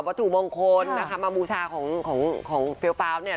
วัตถุมงคลนะคะมาบูชาของของของเฟียลปราวส์เนี้ย